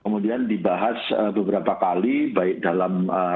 kemudian dibahas beberapa kali baik dalam rapat konsultasi baik dalam rapat konsultasi